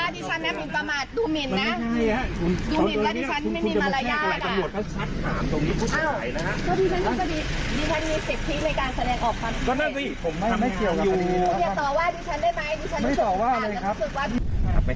ดิฉันมีสิทธิในการแสดงออกความคิด